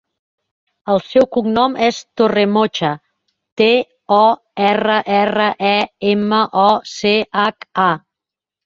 El seu cognom és Torremocha: te, o, erra, erra, e, ema, o, ce, hac, a.